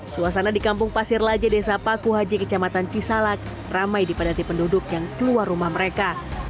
suasana di kampung pasir laja desa paku haji kecamatan cisalak ramai dipadati penduduk yang keluar rumah mereka